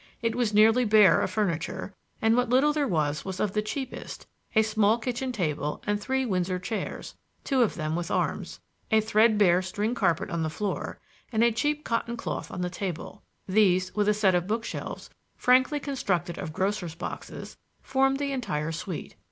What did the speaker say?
It was nearly bare of furniture, and what little there was was of the cheapest a small kitchen table and three Windsor chairs (two of them with arms); a threadbare string carpet on the floor, and a cheap cotton cloth on the table; these, with a set of bookshelves, frankly constructed of grocer's boxes, formed the entire suite.